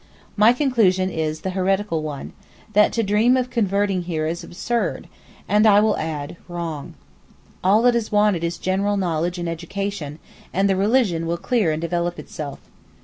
My conclusion is the heretical one: that to dream of converting here is absurd, and, I will add, wrong. All that is wanted is general knowledge and education, and the religion will clear and develop itself.